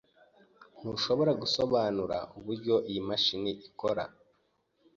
Ntushobora gusobanura uburyo iyi mashini ikora?